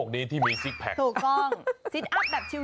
นี่สิทธิ์อาจารย์แบบชิว